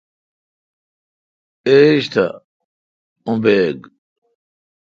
ایج تھ اوں بیگ۔